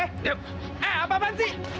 eh apa apaan sih